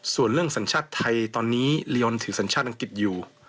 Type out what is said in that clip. ส่วนเรื่องสัญชาติไทยตอนนี้ลียอนถือสัญชาติอังกฤษอยู่